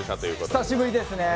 久しぶりですね。